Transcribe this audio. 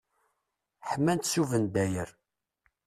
Ḥman-tt s ubendayer.